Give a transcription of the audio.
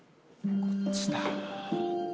こっちだ。